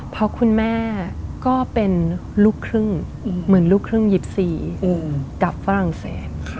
เพราะคุณแม่ก็เป็นลูกครึ่งเหมือนลูกครึ่ง๒๔กับฝรั่งเศส